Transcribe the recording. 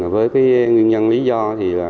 với cái nguyên nhân lý do thì là